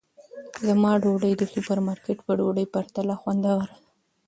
زما ډوډۍ د سوپرمارکېټ په ډوډۍ پرتله خوندوره ده.